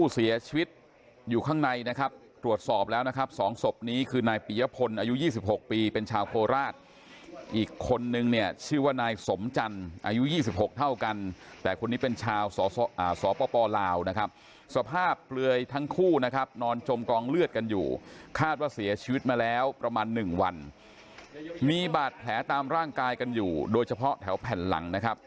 เสียชีวิตอยู่ข้างในนะครับตรวจสอบแล้วนะครับสองศพนี้คือนายปียพลอายุยี่สิบหกปีเป็นชาวโคราชอีกคนนึงเนี่ยชื่อว่านายสมจรรย์อายุยี่สิบหกเท่ากันแต่คนนี้เป็นชาวสอสออ่าสอปปลอลาวนะครับสภาพเปลือยทั้งคู่นะครับนอนจมกองเลือดกันอยู่คาดว่าเสียชีวิตมาแล้วประมาณหนึ่งวันมีบาดแผลตามร่างกายก